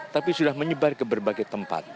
tapi sudah menyebar ke berbagai tempat